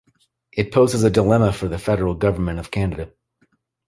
It poses a dilemma for the federal government of Canada.